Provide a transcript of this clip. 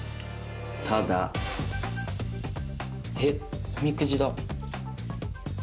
えっおみくじだ。